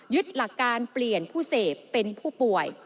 หลักการเปลี่ยนผู้เสพเป็นผู้ป่วย